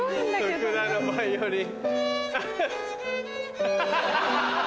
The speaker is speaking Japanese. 福田のバイオリン。